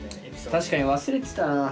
確かに忘れてたなそれ。